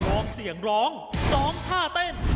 พร้อมเสียงร้องสองท่าเต้น